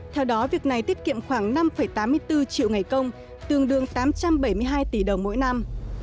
theo đó việc này tiết kiệm khoảng năm tám mươi bốn triệu ngày công tương đương tám trăm bảy mươi hai tỷ đồng mỗi năm